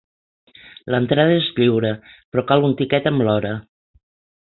L'entrada és lliure, però cal un tiquet amb l'hora.